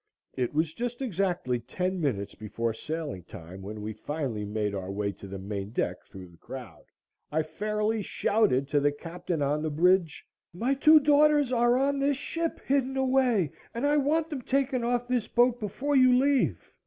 It was just exactly ten minutes before sailing time when we finally made our way to the main deck through the crowd. I fairly shouted to the captain on the bridge: "My two daughters are on this ship hidden away, and I want them taken off this boat before you leave!"